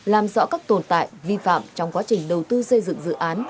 làm rõ các tồn tại vi phạm trong quá trình đầu tư xây dựng dự án